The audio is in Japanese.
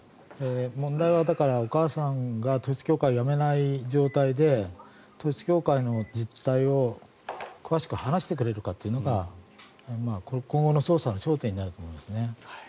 問題はお母さんが統一教会をやめない状態で統一教会の実態を詳しく話してくれるかというのが今後の捜査の焦点になると思います。